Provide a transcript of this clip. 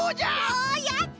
おやった。